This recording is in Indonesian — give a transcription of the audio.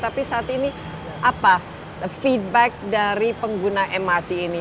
tapi saat ini apa feedback dari pengguna mrt ini